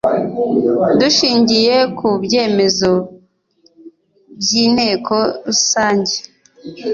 dushingiye ku byemezo by inteko rusange